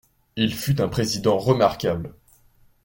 Il fut un président remarquable.